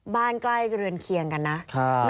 บ้านใกล้เรือนเคียงกันนะ